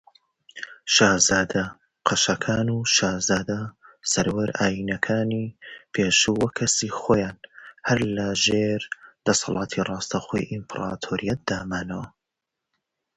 The former prince-bishops and prince-abbots remained immediate to the emperor for their own person.